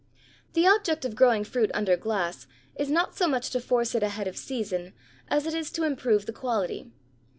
The object of growing fruit under glass is not so much to force it ahead of season as it is to improve the quality.